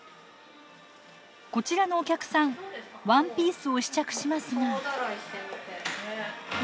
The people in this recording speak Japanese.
こちらのお客さんワンピースを試着しますが。